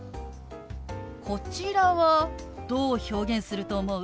こちらはどう表現すると思う？